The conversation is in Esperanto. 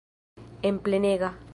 En plenega.